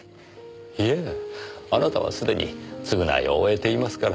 いえあなたは既に償いを終えていますから。